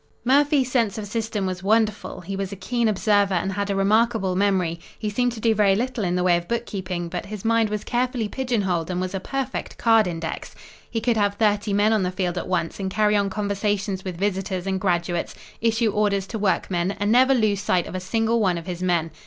"Murphy's sense of system was wonderful; he was a keen observer and had a remarkable memory; he seemed to do very little in the way of bookkeeping, but his mind was carefully pigeon holed and was a perfect card index. "He could have thirty men on the field at once and carry on conversations with visitors and graduates; issue orders to workmen and never lose sight of a single one of his men.